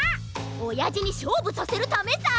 おやじにしょうぶさせるためさ！